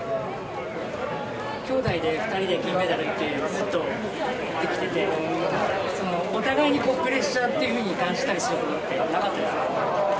兄妹で２人で金メダルということができてお互いにプレッシャーというふうに感じたりすることはなかったですか？